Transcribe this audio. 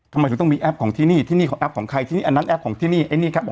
ทำไมถึงต้องมีแอปของที่นี่ที่นี่ของแอปของใครที่นี่อันนั้นแป๊ปของที่นี่ไอ้นี่ครับ